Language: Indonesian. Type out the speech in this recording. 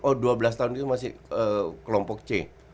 oh dua belas tahun itu masih kelompok c